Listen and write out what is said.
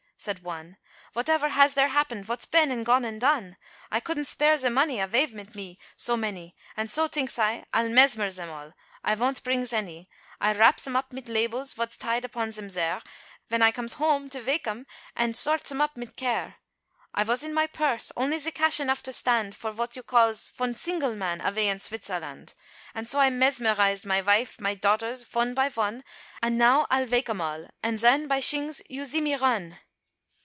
said one, "Votever has there happened, vots been, and gone, and done? I could'nt spare ze money, avay mit me, so many, And so tinks I, I'll mesmer zem all, I vont brings any, I wraps 'em up mit labels, vots tied upon zem zare, Ven I comes home, to vake 'em, and sorts 'em up mit care. I vos in my purse, only ze cash enough to stand, For vot you calls, von single man, avay in Svitzerland. And so I mesmerised my vife, my daughters, von by von, And now I'll vake 'em all, and zen, by shings, you zee me run!"